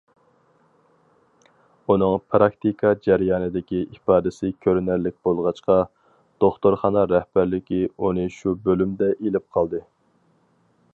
ئۇنىڭ پىراكتىكا جەريانىدىكى ئىپادىسى كۆرۈنەرلىك بولغاچقا، دوختۇرخانا رەھبەرلىكى ئۇنى شۇ بۆلۈمدە ئېلىپ قالدى.